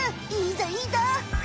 いいぞいいぞ！